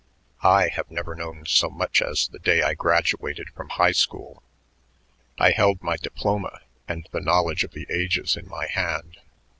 I have never known so much as, the day I graduated from high school. I held my diploma and the knowledge of the ages in my hand.